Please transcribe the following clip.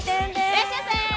いらっしゃいませ。